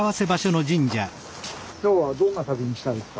今日はどんな旅にしたいですか？